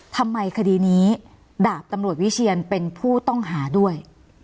ทำไมคดีนี้ดาบตำรวจวิเชียนเป็นผู้ต้องหาด้วย